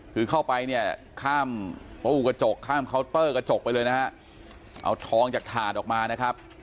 คือเข้าไปเนี่ยข้ามตู้กระจกข้ามเคาน์เตอร์กระจกไปเลยนะฮะเอาทองจากถาดออกมานะครับ